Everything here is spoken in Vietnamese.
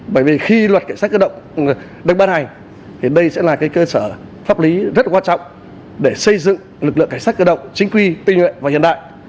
bởi vì khi luật cảnh sát cơ động được ban hành thì đây sẽ là cơ sở pháp lý rất quan trọng để xây dựng lực lượng cảnh sát cơ động chính quy tinh nguyện và hiện đại